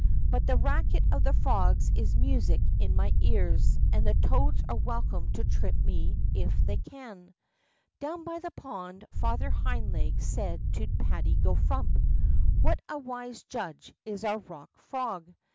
But the racket of the frogs is music in my ears, and the toads are welcome to trip me if they can.'' Down by the pond Father Hind Legs said to Patty go Frump : What a wise judge is our Bock Frog